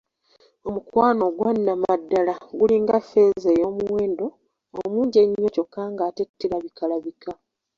Omukwano ogwa Nnamaddala gulinga ffeeza ey'omuwendo omungi ennyo kyokka ng'ate terabikalabika.